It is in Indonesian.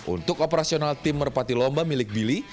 untuk operasional tim merpati lomba milik billy